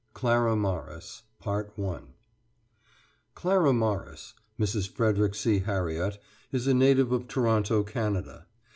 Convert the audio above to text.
CLARA MORRIS [Clara Morris, Mrs. Frederick C. Harriott, is a native of Toronto, Canada.